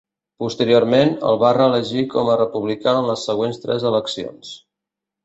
Posteriorment, el van reelegir com a republicà en les següents tres eleccions.